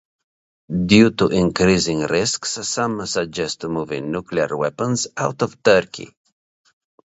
Due to increasing risks some suggest moving nuclear weapons out of Turkey.